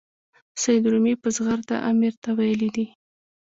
سید رومي په زغرده امیر ته ویلي دي.